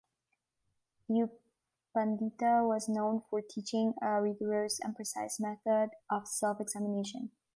U Pandita was known for teaching a rigorous and precise method of self-examination.